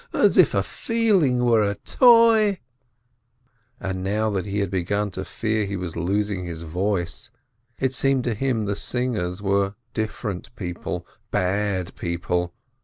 As if a feeling were a toy !" And now that he had begun to fear he was losing his voice, it seemed to him the singers were different people — bad people!